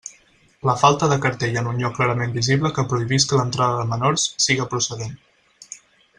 La falta de cartell en un lloc clarament visible que prohibisca l'entrada de menors, siga procedent.